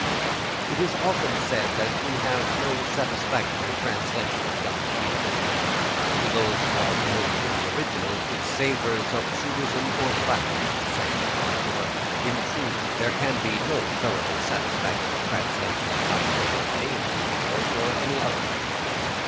It is often said that we have no satisfactory translation of "Don Quixote." To those who are familiar with the original, it savours of truism or platitude to say so, for in truth there can be no thoroughly satisfactory translation of "Don Quixote" into English or any other language.